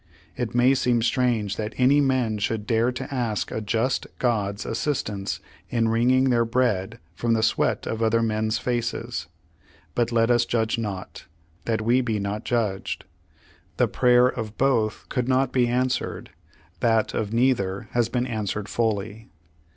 It may seem strange that any men should dare to ask a just God's assistance in wringing their bread from the sweat of other men's faces. But let us judge not, that we be not judged. The prayer of both could not be answered; that of neither has been answered fully.